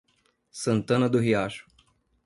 Santana do Riacho